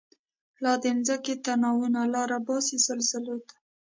لا د مځکی تناوونه، لاره باسی زلزلوته